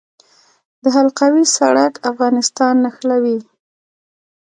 د حلقوي سړک افغانستان نښلوي